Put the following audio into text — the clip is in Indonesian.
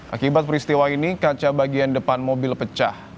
akibat peristiwa ini kaca bagian depan mobil pecah